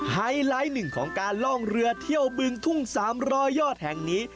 ไฮไลท์หนึ่งของการล่องเรือเที่ยวบึงทุ่ง๓๐๐ยอดแห่งนี้